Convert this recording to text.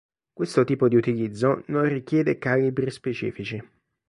Questo tipo di utilizzo non richiede calibri specifici.